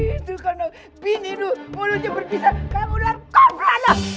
itu kan binti lu mulutnya berpisah kayak ular kobra lah